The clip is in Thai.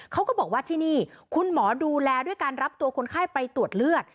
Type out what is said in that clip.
เขาก็บอกว่าที่นี่คุณหมอดูแลด้วยการรับตัวคนไข้ไปตรวจเลือด